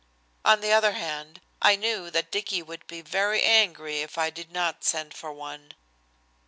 On the other hand, I knew that Dicky would be very angry if I did not send for one.